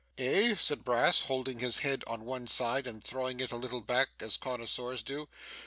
'Eh?' said Brass, holding his head on one side, and throwing it a little back, as connoisseurs do.